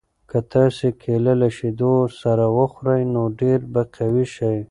که تاسي کیله له شیدو سره وخورئ نو ډېر به قوي شئ.